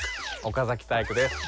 岡崎体育です。